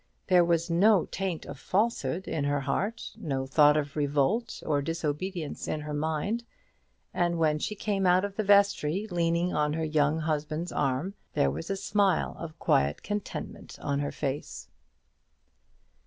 There was no taint of falsehood in her heart, no thought of revolt or disobedience in her mind; and when she came out of the vestry, leaning on her young husband's arm, there was a smile of quiet contentment on her face.